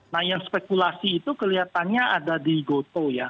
nah yang spekulasi itu kelihatannya ada di gotoh ya